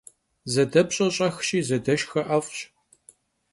Zedepş'e ş'exşi, zedeşşxe 'ef'ş.